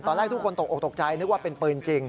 ตอนแรกทุกคนตกออกตกใจนึกว่าเป็นปืนจริง